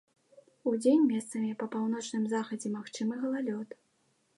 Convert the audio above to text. Удзень месцамі па паўночным захадзе магчымы галалёд.